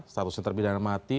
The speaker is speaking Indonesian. statusnya terbidang mati